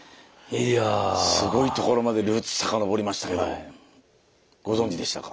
すごいところまでルーツさかのぼりましたけどご存じでしたか。